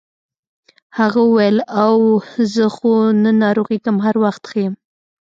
هغه وویل اوه زه خو نه ناروغیږم هر وخت ښه یم.